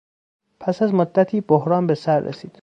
پس از مدتی بحران به سر رسید.